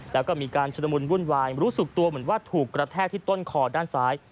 แล้วก็มีการชุดละมุนวุ่นวายรู้สึกตัวเหมือนว่าถูกกระแทกที่ต้นคอด้านซ้าย